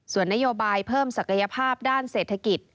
ส่วนนโยบายเพิ่มศักยภาพด้านเศรษฐกิจ